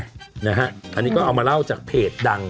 อันนี้ก็เอามาเล่าจากเพจดัง